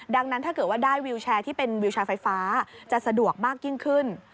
ดังนั้นถ้าเกิดว่าได้วิวแชร์ที่เป็นวิวแชร์ไฟฟ้าจะสะดวกมากยิ่งขึ้น